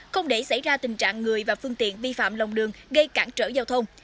không để xảy ra tình trạng người và phương tiện vi phạm lòng đường gây cản trở giao thông